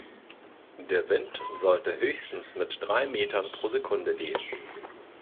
Der Wind sollte höchstens mit drei Metern pro Sekunde wehen.